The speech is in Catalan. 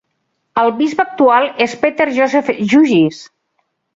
El bisbe actual és Peter Joseph Jugis.